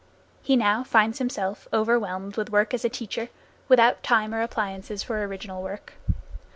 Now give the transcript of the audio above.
He now finds himself overwhelmed with work as a teacher, without time or appliances for original work.